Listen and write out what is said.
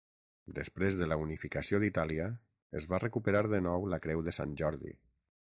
Després de la Unificació d'Itàlia es va recuperar de nou la Creu de Sant Jordi.